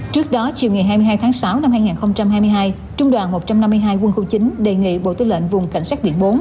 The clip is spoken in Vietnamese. trước đó chiều ngày hai mươi hai tháng sáu năm hai nghìn hai mươi hai trung đoàn một trăm năm mươi hai quân khu chín đề nghị bộ tư lệnh vùng cảnh sát biển bốn